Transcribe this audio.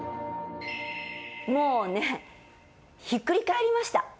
もうねひっくり返りました。